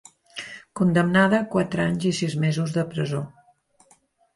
Condemnada a quatre anys i sis mesos de presó.